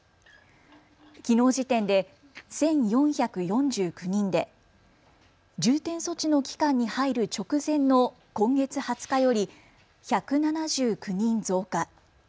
きのう時点で１４４９人で重点措置の期間に入る直前の今月２０日より１７９人増加。